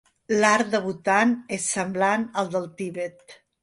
L'art de Buthan és semblant al del Tibet.